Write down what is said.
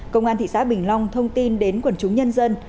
công an thị xã bình long thông tin đến quần chúng nhân dân